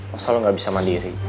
masa lo gak bisa mandiri